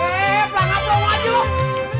heee pelanggan lu aja loh